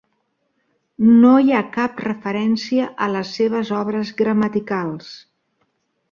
No hi ha cap referència a les seves obres gramaticals.